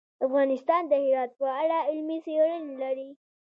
افغانستان د هرات په اړه علمي څېړنې لري.